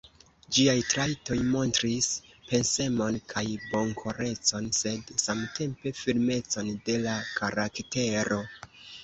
Ĝiaj trajtoj montris pensemon kaj bonkorecon, sed, samtempe, firmecon de la karaktero.